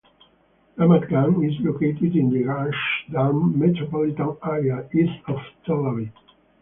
Ramat Gan is located in the Gush Dan metropolitan area east of Tel Aviv.